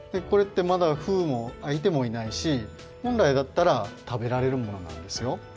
これってまだふうもあいてもいないしほんらいだったら食べられるものなんですよ。